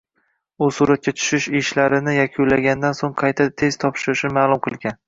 U suratga tushish ishlarini yakunlagandan so‘ng, qayta test topshirishini ma’lum qilgan